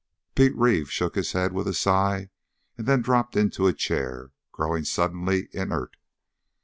Pete Reeve shook his head with a sigh and then dropped into a chair, growing suddenly inert.